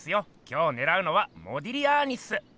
今日ねらうのは「モディリアーニ」っす。